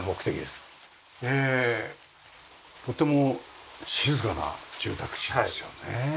ええとても静かな住宅地ですよね。